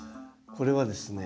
これはですね